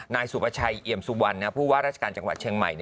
นายสุประชัยเอี่ยมสุวรรณผู้ว่าราชการจังหวัดเชียงใหม่